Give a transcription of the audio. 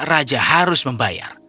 raja harus membayar